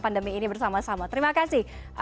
pandemi ini bersama sama terima kasih